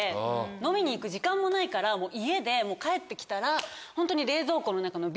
飲みに行く時間もないから家で帰って来たらホントに。